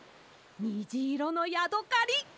にじいろのヤドカリ！